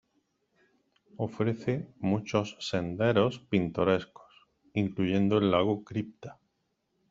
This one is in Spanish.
Ofrece muchos senderos pintorescos, incluyendo el lago Cripta.